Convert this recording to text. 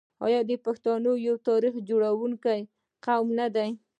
آیا پښتون یو تاریخ جوړونکی قوم نه دی؟